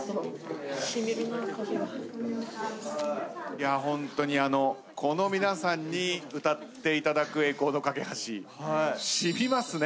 いやホントにこの皆さんに歌っていただく『栄光の架橋』。染みますね